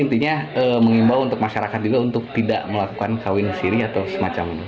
jadi apa yang diperlukan untuk masyarakat juga untuk tidak melakukan kawin siri atau semacam itu